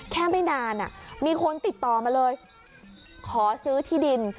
ไม่นานมีคนติดต่อมาเลยขอซื้อที่ดิน